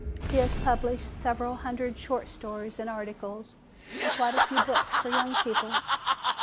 He has published several hundred short stories and articles and quite a few books for young people.